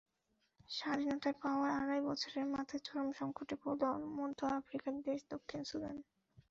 স্বাধীনতা পাওয়ার আড়াই বছরের মাথায় চরম সংকটে পড়ল মধ্য আফ্রিকার দেশ দক্ষিণ সুদান।